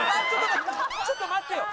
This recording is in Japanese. ちょっと待ってよ！